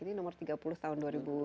ini nomor tiga puluh tahun dua ribu dua